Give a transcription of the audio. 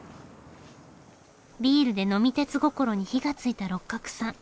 ビールで呑み鉄心に火がついた六角さん。